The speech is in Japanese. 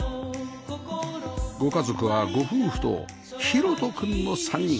ご家族はご夫婦と博翔くんの３人